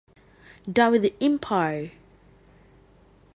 Down with the Empire!